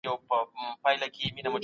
ټولنيز علوم به پرمختګ وکړي.